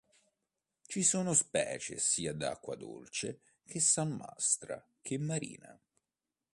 Ci sono specie sia d'acqua dolce che salmastra che marina.